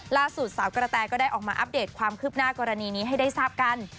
สาวกระแตก็ได้ออกมาอัปเดตความคืบหน้ากรณีนี้ให้ได้ทราบกัน